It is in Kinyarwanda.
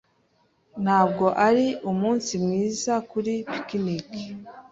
Ntabwo ari umunsi mwiza kuri picnic?